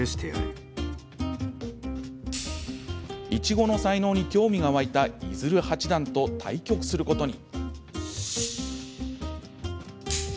苺の才能に興味が湧いた伊鶴八段と対局することに。